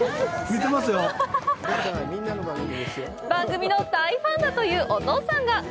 番組の大ファンだというお父さんが！